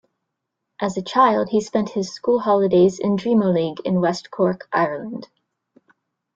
As a child, he spent his school holidays in Drimoleague in West Cork, Ireland.